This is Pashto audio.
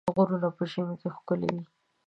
غرونه په ژمي کې ښکلي وي.